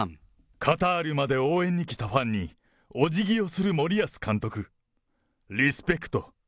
カタールまで応援に来たファンにおじぎをする森保監督、リスペクト。